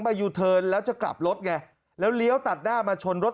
ยูเทิร์นแล้วจะกลับรถไงแล้วเลี้ยวตัดหน้ามาชนรถ